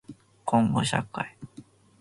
こんごしゃかい